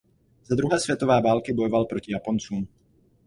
Za druhé světové války bojoval proti Japoncům.